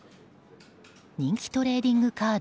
人気トレーディングカード